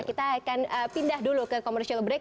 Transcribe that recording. kita akan pindah dulu ke commercial break